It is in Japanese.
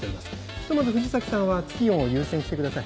ひとまず藤崎さんはツキヨンを優先してください。